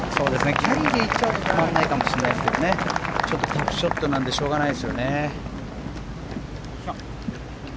キャリーで行っちゃうと止まらないかもしれないですけどタフショットなのでしょうがないですよね。